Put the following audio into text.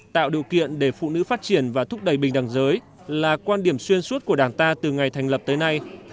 và phụ nữ phát triển và thúc đẩy bình đẳng giới là quan điểm xuyên suốt của đảng ta từ ngày thành lập tới nay